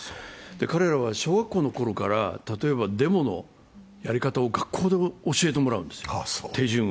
彼らは小学校の頃から、例えばデモのやり方を学校で教えてもらうんですよ、手順を。